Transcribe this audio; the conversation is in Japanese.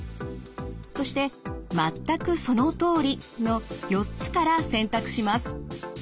そして「まったくそのとおり」の４つから選択します。